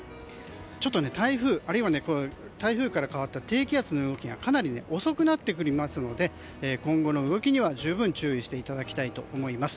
台風あるいは台風から変わった低気圧の動きがかなり遅くなってきますので今後の動きには十分注意していただきたいと思います。